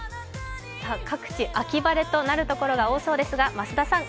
各地、秋晴れとなるところが多いようですが増田さん